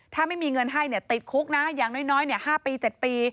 ถ้าไม่มีเงินให้เนี่ยติดคุกนะอย่างน้อยเนี่ย๕ปี๗ปี